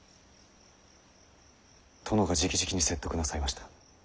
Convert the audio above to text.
殿がじきじきに説得なさいました。